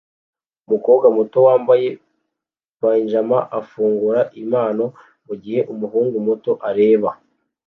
Umukobwa muto wambaye pajama afungura impano mugihe umuhungu muto areba